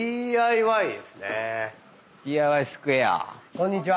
こんにちは。